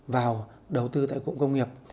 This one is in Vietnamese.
vào đầu tư tại cụm công nghiệp